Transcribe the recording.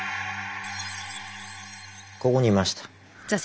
ここにいました。